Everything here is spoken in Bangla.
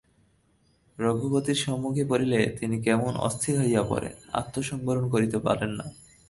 রঘুপতির সম্মুখে পড়িলে তিনি কেমন অস্থির হইয়া পড়েন, আত্মসংবরণ করিতে পারেন না।